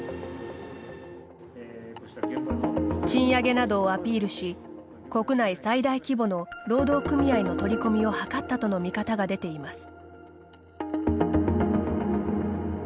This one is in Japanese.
賃上げなどをアピールし国内最大規模の労働組合の取り込みを図ったとの見方が出ています。